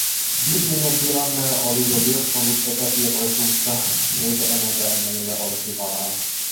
Nykyinen tilanne oli jo lietsonut epätietoisuutta, eikä enempään meillä olisi varaa.